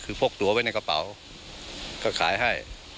คือพกตัวไว้ในกระเป๋าก็ขายให้